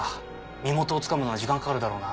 身元をつかむのは時間かかるだろうな。